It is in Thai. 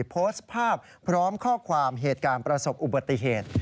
โพสต์ภาพพร้อมข้อความเหตุการณ์ประสบอุบัติเหตุ